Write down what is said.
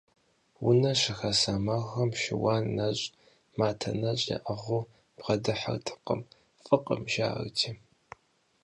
Унэ щыхаса махуэм шыуан нэщӀ, матэ нэщӀ яӀыгъыу бгъэдыхьэртэкъым, фӀыкъым, жаӀэрти.